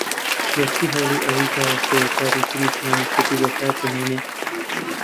گەر چی ھەوڵی ئەوەی داوە شێوەزاری تری زمانی کوردی بەکاربھێنێت